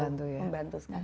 dan itu sangat membantu ya